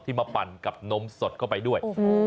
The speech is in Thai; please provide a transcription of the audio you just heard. มาปั่นกับนมสดเข้าไปด้วย